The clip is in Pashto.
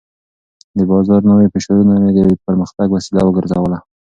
د بازار نوي فشارونه مې د پرمختګ وسیله وګرځول.